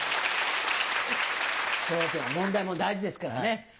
『笑点』は問題も大事ですからね。